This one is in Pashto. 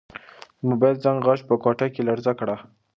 د موبایل د زنګ غږ په کوټه کې لړزه کړه.